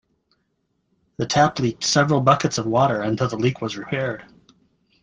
The tap leaked several buckets of water until the leak was repaired.